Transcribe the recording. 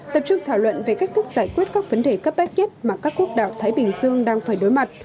tập trung thảo luận về cách thức giải quyết các vấn đề cấp bách nhất mà các quốc đảo thái bình dương đang phải đối mặt